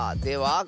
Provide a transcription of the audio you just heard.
では